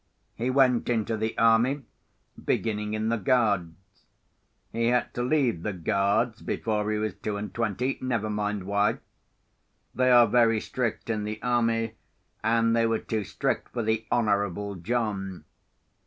He went into the army, beginning in the Guards. He had to leave the Guards before he was two and twenty—never mind why. They are very strict in the army, and they were too strict for the Honourable John.